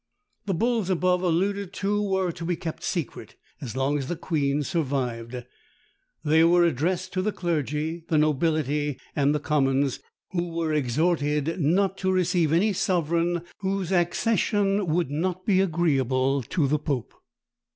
The bulls above alluded to were to be kept secret as long as the queen survived. They were addressed to the clergy, the nobility, and the commons, who were exhorted not to receive any sovereign whose accession would not be agreeable to the pope.